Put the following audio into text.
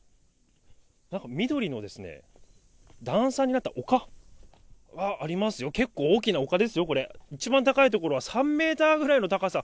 なんか緑のですね、段差になった丘がありますよ、結構大きな丘ですよ、これ、一番高い所は３メーターぐらいの高さ。